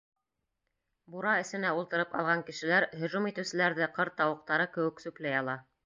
Бура эсенә ултырып алған кешеләр һөжүм итеүселәрҙе ҡыр тауыҡтары кеүек сүпләй ала.